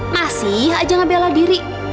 masih aja gak bela diri